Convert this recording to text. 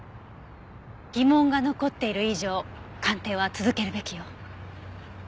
疑問が残っている以上鑑定は続けるべきよ。